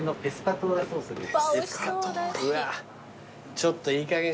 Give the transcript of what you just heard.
ちょっといいかげん。